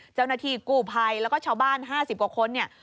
เจ้าหน้าที่กู้ภัยแล้วก็ชาวบ้าน๕๐กว่าคนเนี่ย